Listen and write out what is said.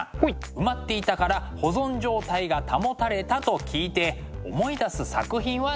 埋まっていたから保存状態が保たれたと聞いて思い出す作品は何でしょう？